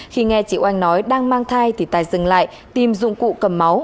khi nghe chị oanh nói đang mang thai thì tài dừng lại tìm dụng cụ cầm máu